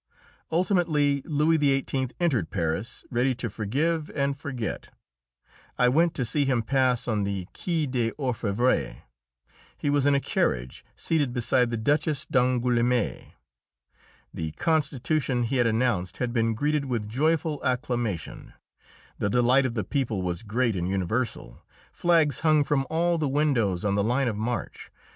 Ultimately, Louis XVIII. entered Paris, ready to forgive and forget. I went to see him pass on the Quai des Orfèvres. He was in a carriage, seated beside the Duchess d'Angoulême. The constitution he had announced had been greeted with joyful acclamation; the delight of the people was great and universal. Flags hung from all the windows on the line of march.